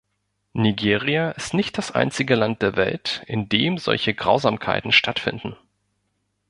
Nigeria ist nicht das einzige Land der Welt, in dem solche Grausamkeiten stattfinden.